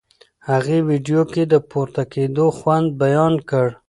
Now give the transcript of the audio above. هغې ویډیو کې د پورته کېدو خوند بیان کړ.